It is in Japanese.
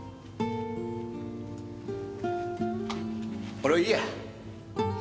俺はいいや。